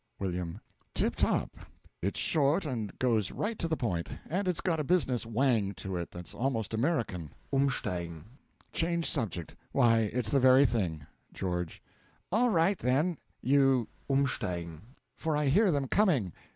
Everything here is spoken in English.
W. Tip top! It's short and goes right to the point; and it's got a business whang to it that's almost American. Umsteigen! change subject! why, it's the very thing! GEO. All right, then, you umsteigen for I hear them coming.